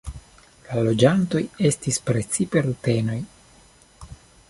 La loĝantoj estis precipe rutenoj.